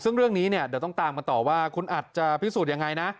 ซึ่งเรื่องนี้เนี่ยเดี๋ยวต้องตามกันต่อว่าคุณอัดจะพิสูจน์ยังไงนะ